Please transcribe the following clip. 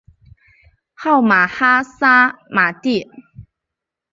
号玛哈萨嘛谛。